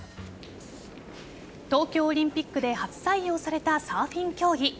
東京オリンピックで初採用されたサーフィン競技。